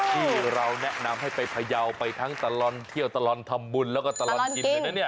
ที่เราแนะนำให้ไปพยาวไปทั้งตลอดเที่ยวตลอดทำบุญแล้วก็ตลอดกินเลยนะเนี่ย